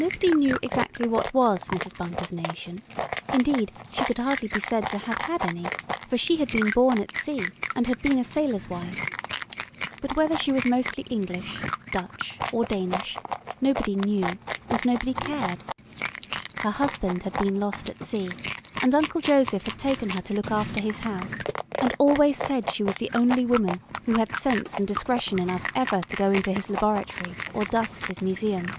Nobody knew exactly what was Mrs. Bunker's nation, indeed she could hardly be said to have had any, for she had been born at sea, and had been a sailor's wife; but whether she was mostly English, Dutch, or Danish, nobody knew and nobody cared. Her husband had been lost at sea, and Uncle Joseph had taken her to look after his house, and always said she was the only woman who had sense and discretion enough ever to go into his laboratory or dust his museum.